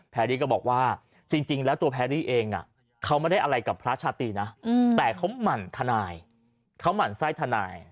แพรรี่ก็บอกว่าจริงแล้วตัวแพรรี่เองเขาไม่ได้อะไรกับพระชาตรีนะแต่เขาหมั่นทนายเขาหมั่นไส้ทนาย